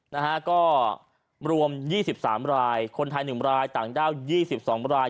นะฮะก็รวมยี่สิบสามรายคนไทยหนึ่งรายต่างด้าวยี่สิบสองราย